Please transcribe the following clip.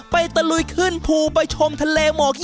ตะลุยขึ้นภูไปชมทะเลหมอก